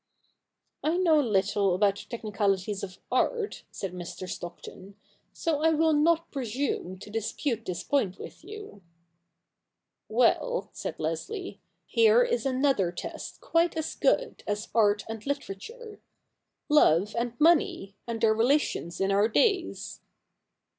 * I know little about the technicalities of art,' said Mr. Stockton, ' so I ^vill not presume to dispute this point with you.' ' Well,' said Leslie, ' here is another test quite as good as art and Hterature — love and money, and their relations in our days.'